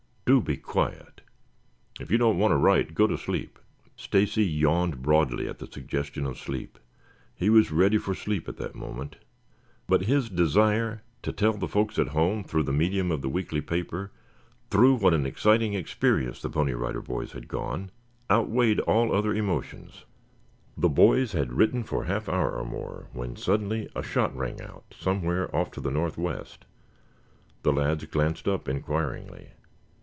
Do be quiet. If you don't want to write, go to sleep." Stacy yawned broadly at the suggestion of sleep. He was ready for sleep at that moment, but his desire to tell the folks at home, through the medium of the weekly paper, through what an exciting experience the Pony Rider Boys had gone, outweighed all other emotions. The boys had written for a half hour or more when suddenly a shot rang out somewhere off to the northwest. The lads glanced up inquiringly.